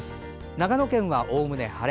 長野県はおおむね晴れ。